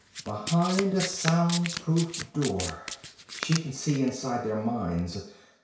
Behind a soundproof door. She can see inside their minds.